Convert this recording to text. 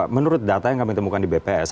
menurut data yang kami temukan di bps